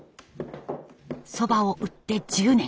そばを打って１０年。